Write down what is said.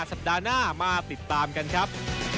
สัปดาห์หน้ามาติดตามกันครับ